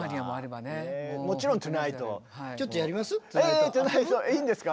えぇ「トゥナイト」いいんですか？